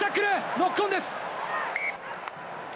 ノックオンです。